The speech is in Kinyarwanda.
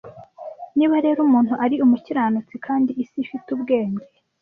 niba rero umuntu ari umukiranutsi kandi isi ifite ubwenge